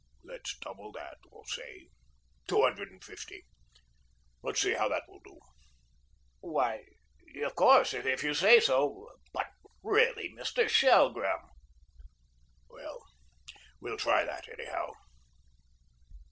"Let's double that, or say two hundred and fifty. Let's see how that will do." "Why of course if you say so, but really, Mr. Shelgrim" "Well, we'll try that, anyhow."